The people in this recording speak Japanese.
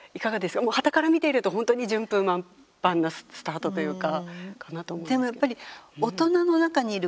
もうはたから見ていると本当に順風満帆なスタートというか。